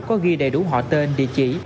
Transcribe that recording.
có ghi đầy đủ họ tên địa chỉ